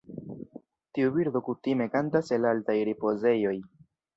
Tiu birdo kutime kantas el altaj ripozejoj.